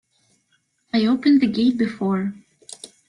I opened the gate before.